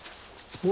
うわ！